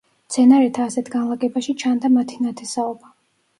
მცენარეთა ასეთ განლაგებაში ჩანდა მათი ნათესაობა.